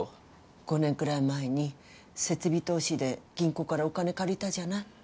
５年くらい前に設備投資で銀行からお金借りたじゃない。